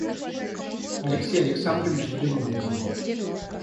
Алексей Александрович взглянул на него.